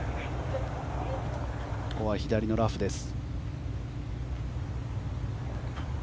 ここは左のラフです。